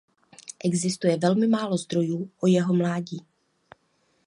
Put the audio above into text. Existuje velmi málo zdrojů o jeho mládí.